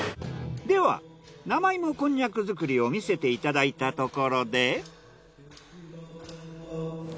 では生芋こんにゃく作りを見せていただいたところで。